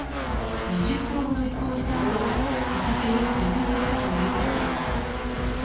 ２０分ほど飛行したあと、畑に墜落したということです。